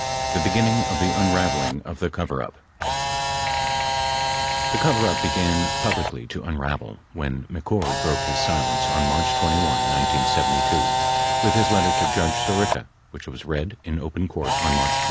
The Beginning of the Unraveling of the Coverup The coverup began publicly to unravel when McCord broke his silence on March 21, 1972, with his letter to Judge Sirica which was read in open court on March 23.